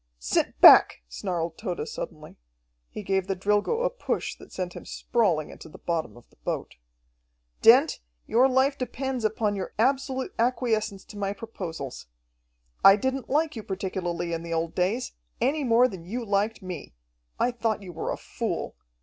"Sit back!" snarled Tode suddenly. He gave the Drilgo a push that sent him sprawling into the bottom of the boat. "Dent, your life depends upon your absolute acquiescence to my proposals. I didn't like you particularly in the old days, any more than you liked me. I thought you were a fool.